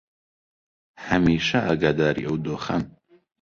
هەمیشە ئاگاداری ئەو دۆخەن